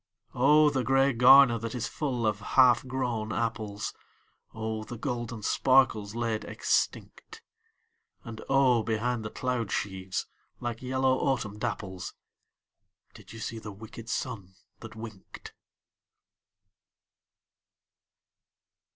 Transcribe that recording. Oh, the grey garner that is full of half grown apples, Oh, the golden sparkles laid extinct ! And oh, behind the cloud sheaves, like yellow autumn dapples, Did you see the wicked sun that winked?